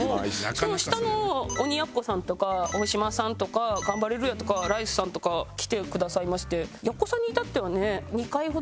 その下の鬼奴さんとか大島さんとかガンバレルーヤとかライスさんとか来てくださいまして。